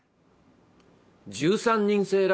１３人制